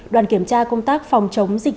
đoàn kiểm tra công tác phòng chống dịch